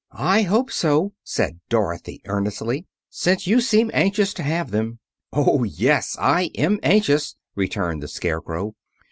"I hope so," said Dorothy earnestly, "since you seem anxious to have them." "Oh, yes; I am anxious," returned the Scarecrow.